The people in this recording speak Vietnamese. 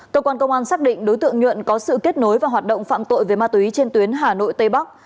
cơ quan công an xác định đối tượng nhuận có sự kết nối và hoạt động phạm tội về ma túy trên tuyến hà nội tây bắc